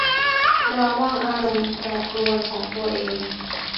ระวังอารมณ์แปรปรวนของตัวเอง